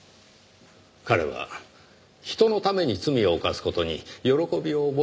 彼は人のために罪を犯す事に喜びを覚えるようになった。